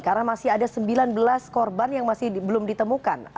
karena masih ada sembilan belas korban yang masih belum ditemukan